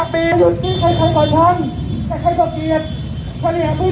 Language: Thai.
อ่าพี่น้องครับพี่น้องข้างหน้านะครับพี่น้องข้างหน้านะครับ